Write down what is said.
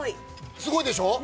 すごいでしょ？